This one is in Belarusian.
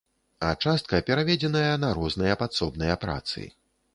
А частка пераведзеная на розныя падсобныя працы.